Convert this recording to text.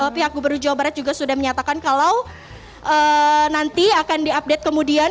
pihak gubernur jawa barat juga sudah menyatakan kalau nanti akan diupdate kemudian